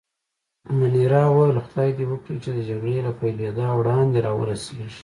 منیرا وویل: خدای دې وکړي چې د جګړې له پېلېدا وړاندې را ورسېږي.